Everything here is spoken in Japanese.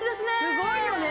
すごいよね。